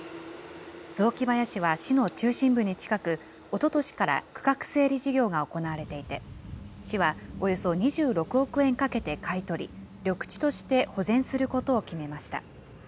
雑木林は市の中心部に近く、おととしから区画整理事業が行われていて、市はおよそ２６億円かけて買い取り、緑地として保全することを決めました。